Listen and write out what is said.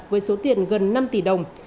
với số tiền gần năm tỷ đồng